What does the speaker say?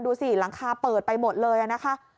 ดูสิหลังคาเปิดไปหมดเลยนะคะ